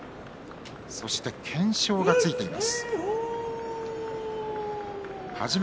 そして懸賞がついています。